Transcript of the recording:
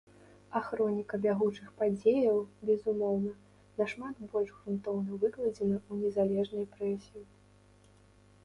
А хроніка бягучых падзеяў, безумоўна, нашмат больш грунтоўна выкладзена ў незалежнай прэсе.